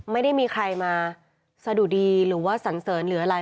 ไม่ได้มีใครมาสะดุดีหรือว่าสันเสริญหรืออะไร